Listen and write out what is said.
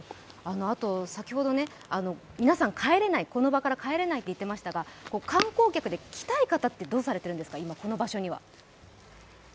先ほど皆さん、この場から帰れないと言っていましたが観光客で来たい方はどうされているんですか、この場所には。